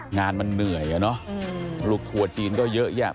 งานมันเหนื่อยอ่ะเนอะลูกทัวร์จีนก็เยอะแยะ